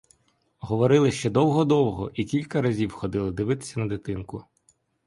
Говорили ще довго-довго і кілька разів ходили дивитися на дитинку.